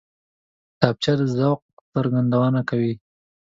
کتابچه د ذوق څرګندونه کوي